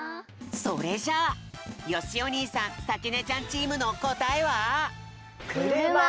それじゃあよしお兄さんさきねちゃんチームのこたえは？